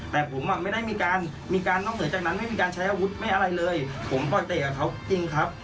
แต่ผมอ่ะไม่ได้มีการมีการนอกเหนือจากนั้นไม่มีการใช้อาวุธไม่อะไรเลยผมปล่อยเตะกับเขาจริงครับ